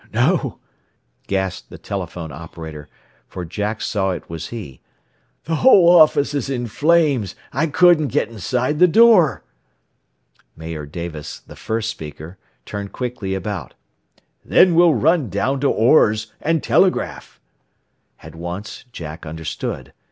"No," gasped the telephone operator, for Jack saw it was he; "the whole office is in flames. I couldn't get inside the door." Mayor Davis, the first speaker, turned quickly about. "Then we'll run down to Orr's and telegraph." At once Jack understood.